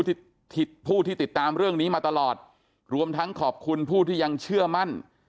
ที่ผู้ที่ติดตามเรื่องนี้มาตลอดรวมทั้งขอบคุณผู้ที่ยังเชื่อมั่น